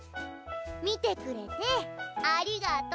見てくれてありがとう。